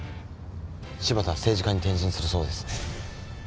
柴田は政治家に転身するそうですね。